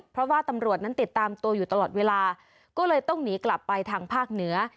เพราะว่าตำรวจนั้นติดตามตัวอยู่ตลอดเวลาก็เลยต้องหนีกลับไปทางภาคเหนือ